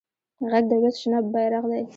غږ د ولس شنه بېرغ دی